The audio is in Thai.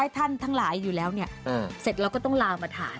ท่านทั้งหลายอยู่แล้วเนี่ยเสร็จเราก็ต้องลามาทาน